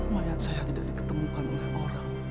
mayat saya tidak diketemukan oleh orang